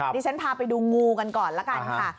ดิฉันพาไปดูงูกันก่อนละกันค่ะ